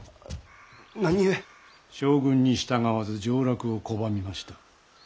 将軍に従わず上洛を拒みました。